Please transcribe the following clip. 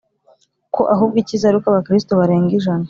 ko ahubwo icyiza ari uko abakristu barenga ijana